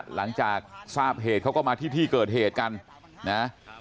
หลังจากทราบเหตุเขาก็มาที่ที่เกิดเหตุกันนะ